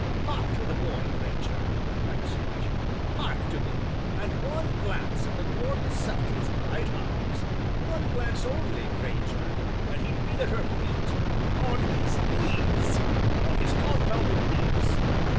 Hark to the boy, Grainger," cried Sir Richard, "hark to him and one glance of the glorious Sefton's bright eyes one glance only, Grainger, and he'd be at her feet on his knees on his confounded knees, sir!"